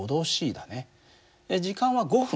時間は５分。